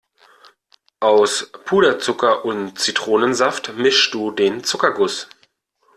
Aus Puderzucker und Zitronensaft mischst du den Zuckerguss.